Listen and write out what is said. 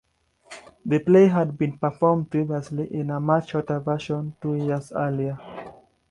The play had been performed previously in a much shorter version two years earlier.